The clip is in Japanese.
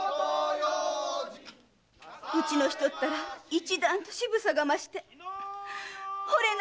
うちの人ったら一段と渋さが増して惚れ直しちゃう！